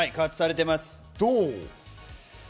どう？